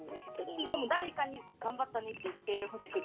でも誰かに頑張ったねって言ってほしくて。